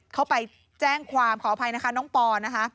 เขาไปแจ้งความขออภัยนะคะน้องปอนะคะ